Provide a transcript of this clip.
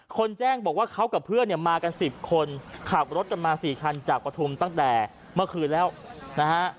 แจ้งบอกว่าเขากับเพื่อนเนี่ยมากัน๑๐คนขับรถกันมา๔คันจากปฐุมตั้งแต่เมื่อคืนแล้วนะฮะ